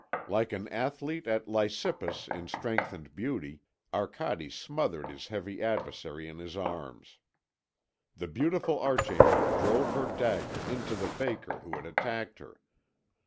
Like an athlete of Lysippus in strength and beauty, Arcade smothered his heavy adversary in his arms. The beautiful archangel drove her dagger into the baker who had attacked her.